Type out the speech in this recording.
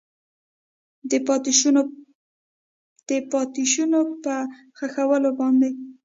د پاتې شونو په ښخولو باندې